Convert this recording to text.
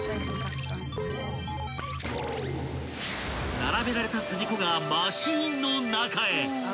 ［並べられた筋子がマシンの中へ］